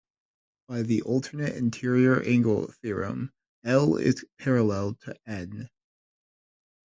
By the alternate interior angle theorem, "l" is parallel to "n".